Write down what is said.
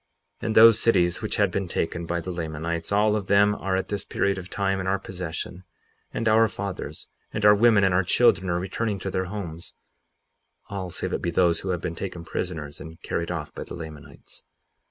58:31 And those cities which had been taken by the Lamanites, all of them are at this period of time in our possession; and our fathers and our women and our children are returning to their homes, all save it be those who have been taken prisoners and carried off by the Lamanites.